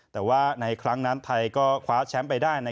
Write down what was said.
แต่ว่าในครั้งนั้นไทยก็คว้าแชมป์ไปได้